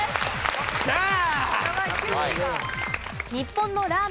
っしゃあ！